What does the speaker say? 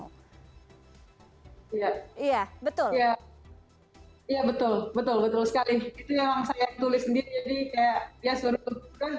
iya iya betul ya iya betul betul sekali itu yang saya tulis sendiri jadi kayak ya suruh